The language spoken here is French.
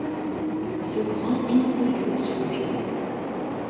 Ce grand in-folio sur vélin.